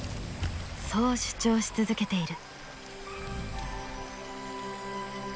そう主張し続けている。